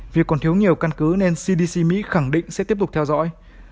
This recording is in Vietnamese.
việc còn thiếu nhiều căn cứ nên cdc mỹ khẳng định sẽ tiếp tục theo dõi